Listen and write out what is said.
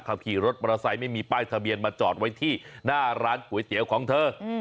ขี่รถมอเตอร์ไซค์ไม่มีป้ายทะเบียนมาจอดไว้ที่หน้าร้านก๋วยเตี๋ยวของเธอ